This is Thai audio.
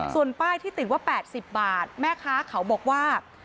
ส่วนป้ายที่ติดว่า๘๐บาทแม่ค้าเขาบอกว่า